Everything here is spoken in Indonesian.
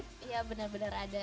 iya benar benar ada